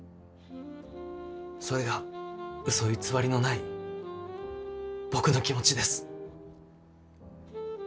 それがうそ偽りのない僕の気持ちです。